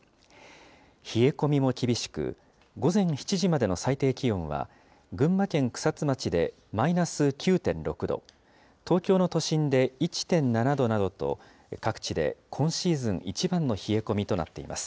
冷え込みも厳しく、午前７時までの最低気温は、群馬県草津町でマイナス９．６度、東京の都心で１．７度などと、各地で今シーズン一番の冷え込みとなっています。